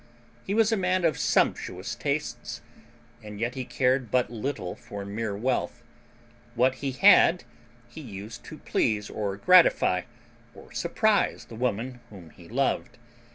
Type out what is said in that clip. He was a man of sumptuous tastes, and yet he cared but little for mere wealth. What he had, he used to please or gratify or surprise the woman whom he loved.